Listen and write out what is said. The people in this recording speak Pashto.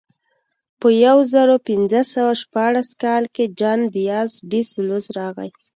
په یو زرو پینځه سوه شپاړس کال کې جان دیاز ډي سلوس راغی.